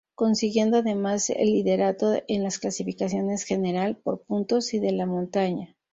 Consiguiendo además el liderato en las clasificaciones General, por Puntos y de la Montaña.